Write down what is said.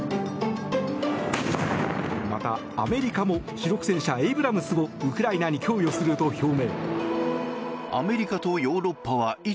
また、アメリカも主力戦車エイブラムスをウクライナに供与すると表明。